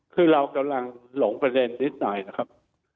คือเรากำลังหลงประเด็นนิดหน่อยนะครับ